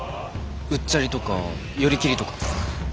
うっちゃりとか寄り切りとか。